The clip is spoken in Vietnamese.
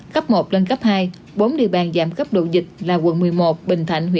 cấp một lên cấp hai bốn địa bàn giảm cấp độ dịch là quận một mươi một bình thạnh